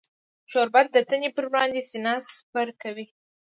شربت د تندې پر وړاندې سینه سپر کوي